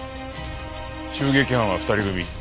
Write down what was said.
襲撃犯は２人組。